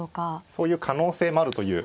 そういう可能性もあるという。